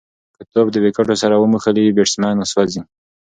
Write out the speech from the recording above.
که توپ د وکټو سره وموښلي، بېټسمېن سوځي.